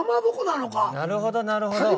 なるほどなるほど。